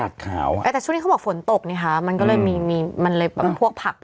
แต่ช่วงนี้เขาบอกฝนตกมันก็เลยปวกผัก